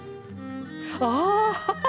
ああ！